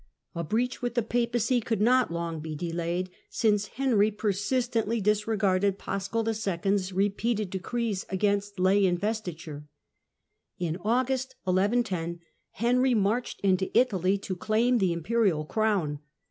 A breach with the Papacy could not long be delayed, since Henry persistently disregarded Paschal II.'s repeated decrees against lay investiture. In August 1110 Henry marched into Italy, to claim the imperial crown.